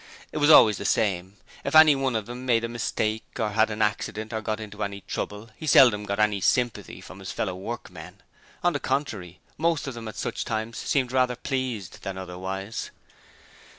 It was always the same: if any one of them made a mistake or had an accident or got into any trouble he seldom or never got any sympathy from his fellow workmen. On the contrary, most of them at such times seemed rather pleased than otherwise.